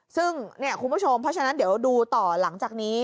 ซึ่งเนี่ยคุณผู้ชมเพราะฉะนั้นเดี๋ยวดูต่อหลังจากนี้